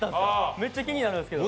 めっちゃ気になるんすけど。